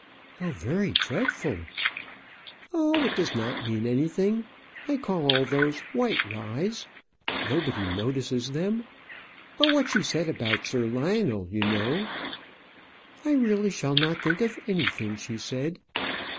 "How very dreadful!" "Oh; it does not mean anything. I call all those white lies. Nobody notices them. But what she said about Sir Lionel, you know " "I really shall not think of anything she said."